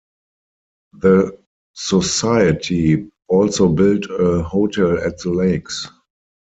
The society also built a hotel at the lakes.